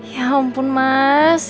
ya ampun mas